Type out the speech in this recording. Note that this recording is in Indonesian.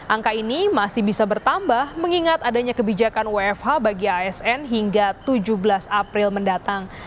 angka ini masih bisa bertambah mengingat adanya kebijakan wfh bagi asn hingga tujuh belas april mendatang